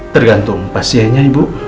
tergantung pastinya ibu